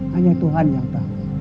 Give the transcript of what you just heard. hanya tuhan yang tahu